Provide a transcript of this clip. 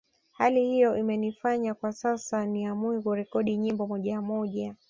Hali hiyo imenifanya kwa sasa niamue kurekodi nyimbo moja moja